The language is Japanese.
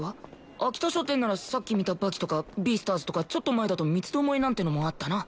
秋田書店ならさっき見た『バキ』とか『ビースターズ』とかちょっと前だと『みつどもえ』なんてのもあったな。